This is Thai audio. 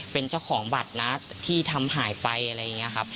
เป็นเจ้าของบัตรนะที่ทำหายไปอะไรอย่างนี้ครับ